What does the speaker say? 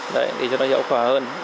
đấy để cho nó hiệu quả hơn